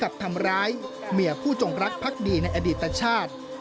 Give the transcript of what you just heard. กับทำร้ายเมียผู้จงรักพักดีในอดีตชาติ